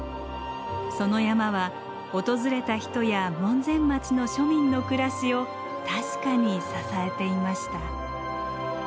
その山は訪れた人や門前町の庶民の暮らしを確かに支えていました。